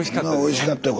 おいしかったよ。